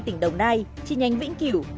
tỉnh đồng nai chi nhánh vĩnh kiểu